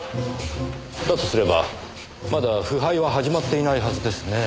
だとすればまだ腐敗は始まっていないはずですねぇ。